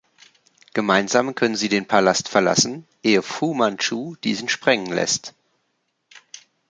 Gemeinsam können sie den Palast verlassen, ehe Fu Man Chu diesen sprengen lässt.